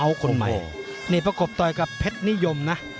ล่าบอกลอมใหม่นี่ประกบต่อว่ากับเพชรนิยมนะ